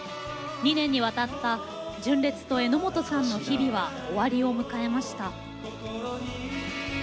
２年にわたった純烈と榎本さんの日々は終わりを迎えました。